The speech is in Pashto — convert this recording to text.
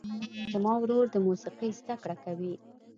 زما ورور د موسیقۍ زده کړه کوي.